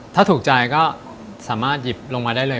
ถ้าถูกใจก็สามารถหยิบลงมาได้เลย